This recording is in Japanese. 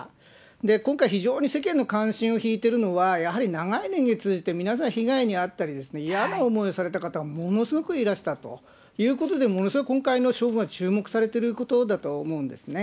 今回、非常に世間の関心を引いてるのは、やはり長い年月通じて皆さん被害に遭ったりですね、嫌な思いをされた方がものすごくいらしたということで、ものすごく今回の処分は注目されてることだと思うんですね。